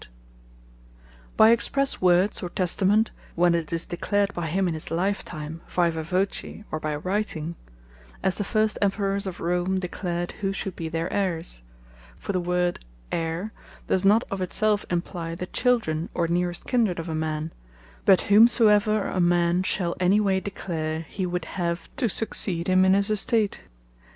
Succession Passeth By Expresse Words; By expresse Words, or Testament, when it is declared by him in his life time, viva voce, or by Writing; as the first Emperours of Rome declared who should be their Heires. For the word Heire does not of it selfe imply the Children, or nearest Kindred of a man; but whomsoever a man shall any way declare, he would have to succeed him in his Estate.